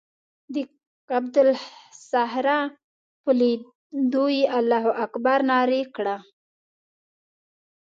د قبة الصخره په لیدو یې الله اکبر نارې کړه.